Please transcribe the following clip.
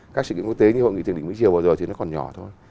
các sự kiện quốc tế như hội nghị tiền đỉnh mỹ chiều vừa rồi thì nó còn nhỏ thôi